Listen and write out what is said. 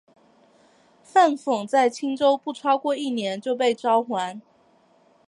范讽在青州不超过一年就被召还。